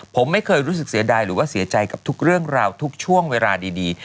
ผมไม่เคยรู้สึกเสียดายหรือว่าเสียใจกับทุกเรื่องราวทุกช่วงเวลาดี